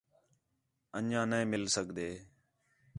انڄیاں نے مِل سڳدے